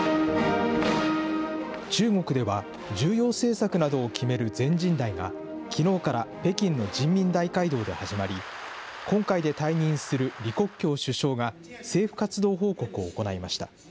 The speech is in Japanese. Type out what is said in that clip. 中国では重要政策などを決める全人代が、きのうから北京の人民大会堂で始まり、今回で退任する李克強首相が政府活動報告を行いました。